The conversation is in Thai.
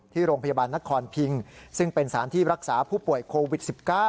ที่โรงพยาบาลนครพิงซึ่งเป็นสารที่รักษาผู้ป่วยโควิด๑๙